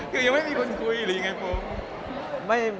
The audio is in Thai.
คือยังไม่มีคนคุยหรือยังไงผม